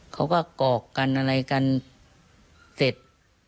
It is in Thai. เขาก็กรอกกันอะไรกันเสร็จ